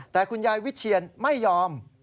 แต่คุณยายวิเชียนไม่ยอม